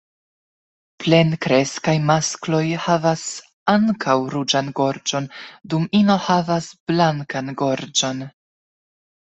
Plenkreskaj maskloj havas ankaŭ ruĝan gorĝon, dum ino havas blankan gorĝon.